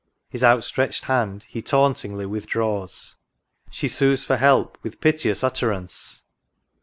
His outstretched hand He tauntingly withdraws — She sues for help with piteous utterance